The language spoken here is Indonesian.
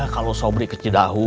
kalo sobri ke cidahu